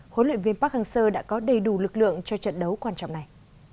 huấn luyện viên park hang seo đã có đầy đủ lực lượng cho trận đấu quan trọng này